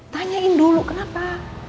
tanyain dulu kenapa